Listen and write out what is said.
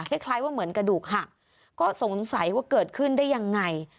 คล้ายว่าเหมือนกระดูกหักก็สงสัยว่าเกิดขึ้นได้ยังไง